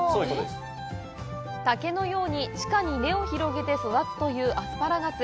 竹のように地下に根を広げて育つというアスパラガス。